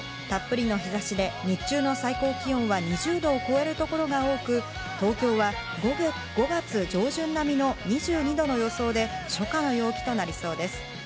たっぷりの日差しで日中の最高気温は２０度を超える所が多く、東京は５月上旬並みの２２度の予想で初夏の陽気となりそうです。